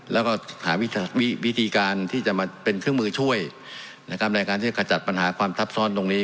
แล้วก็หาวิธีการที่จะมาเป็นเครื่องมือช่วยนะครับในการที่จะขจัดปัญหาความทับซ้อนตรงนี้